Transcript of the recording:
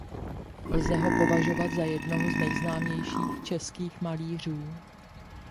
Lze ho považovat za jednoho z nejznámějších českých malířů.